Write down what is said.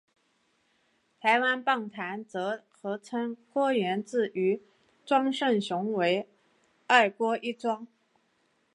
台湾棒坛则合称郭源治与庄胜雄为二郭一庄。